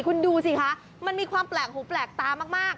คุณดูสิคะมันมีความแปลกหูแปลกตามาก